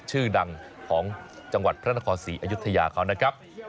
ชื่อดังของจังหวัดพระนครศรีอยุธยาเขานะครับ